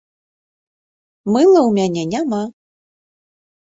Мыла ў мяне няма.